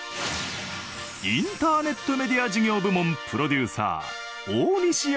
インターネットメディア事業部門プロデューサー。